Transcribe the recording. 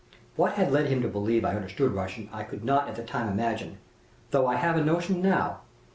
What had led him to believe I understood Russian I could not at the time imagine, though I have a notion now.